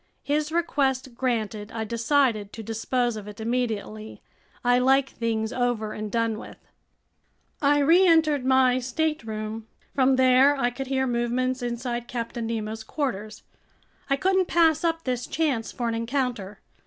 His request granted, I decided to dispose of it immediately. I like things over and done with. I reentered my stateroom. From there I could hear movements inside Captain Nemo's quarters. I couldn't pass up this chance for an encounter.